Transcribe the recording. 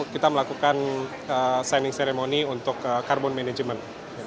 kita melakukan signing ceremony untuk carbon management